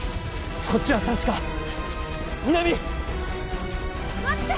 こっちは確か南待って！